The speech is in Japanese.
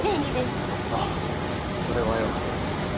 あっそれはよかったです。